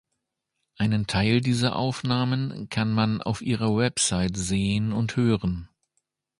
Einen Teil dieser Aufnahmen kann man auf ihrer Website sehen und hören.